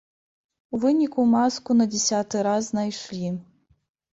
У выніку маску на дзясяты раз знайшлі.